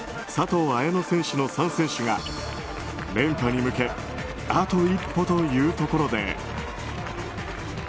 佐藤綾乃選手の３選手が連覇に向けあと一歩というところで。